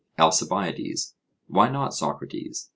ALCIBIADES: Why not, Socrates?